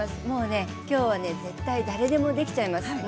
もうねきょうはね絶対誰でもできちゃいます。